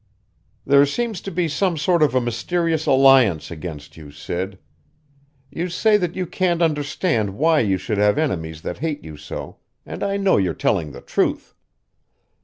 "There seems to be some sort of a mysterious alliance against you, Sid. You say that you can't understand why you should have enemies that hate you so, and I know you're telling the truth.